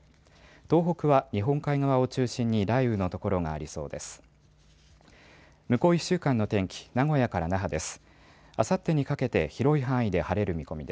東北は日本海側を中心に雷雨の所がありそうです。